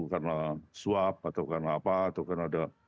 karena suap atau karena apa atau karena ada